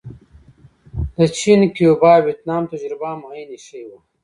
د چین، کیوبا او ویتنام تجربه هم عین شی وه.